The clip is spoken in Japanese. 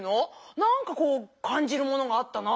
何かこうかんじるものがあったな。